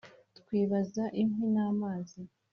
twibaza inkwi n’amazi